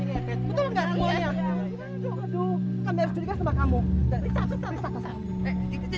ini artinya ada baby ngepet lu tahu enggak kalau selama ini kami pesta baik baik aja